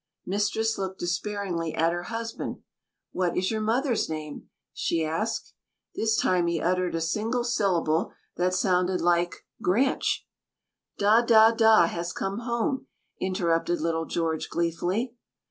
Mistress looked despairingly at her husband. "What is your mother's name?" she asked. This time he uttered a single syllable that sounded like "Granch!" "Da, Da, Da has come home," interrupted little George gleefully.